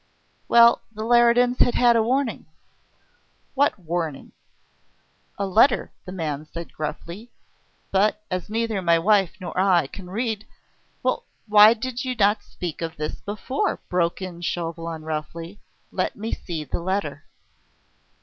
Well, the Leridans had had a warning! What warning? "A letter," the man said gruffly. "But as neither my wife nor I can read " "Why did you not speak of this before?" broke in Chauvelin roughly. "Let me see the letter."